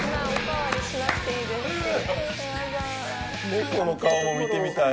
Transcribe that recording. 猫の顔も見てみたい。